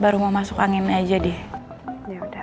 baru mau masuk angin aja ya